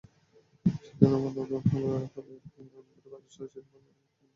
সেটি অনুমোদন করা হলে আমবাড়ি বাজারসহ অন্যান্য ভাঙনকবলিত এলাকায় কাজ হবে।